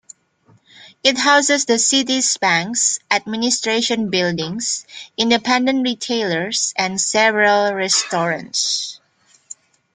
It houses the city's banks, administration buildings, independent retailers and several restaurants.